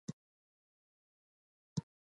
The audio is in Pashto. بایسکل چلونکي باید تل د خوندي تګ لارې وکاروي.